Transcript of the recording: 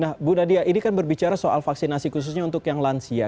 nah bu nadia ini kan berbicara soal vaksinasi ini juga yang menyebabkan turunnya cakupan vaksinasi